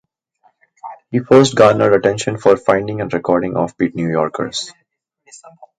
He first garnered attention for finding and recording offbeat New Yorkers.